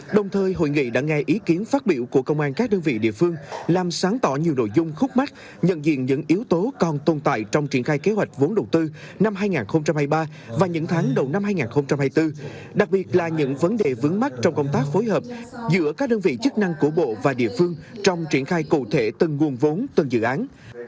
đồng thời hội nghị đã nghe ý kiến phát biểu của công an các đơn vị địa phương làm sáng tỏ nhiều nội dung khúc mắt nhận diện những yếu tố còn tồn tại trong triển khai kế hoạch vốn đầu tư năm hai nghìn hai mươi ba và những tháng đầu năm hai nghìn hai mươi bốn đặc biệt là những vấn đề vướng mắt trong công tác phối hợp giữa các đơn vị chức năng của bộ và địa phương trong triển khai cụ thể từng nguồn vốn từng dự án